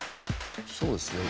そうですね。